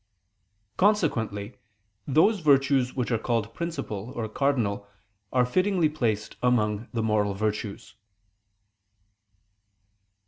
Consequently, those virtues which are called principal or cardinal are fittingly placed among the moral virtues.